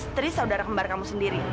terus ibu tanya sama fadil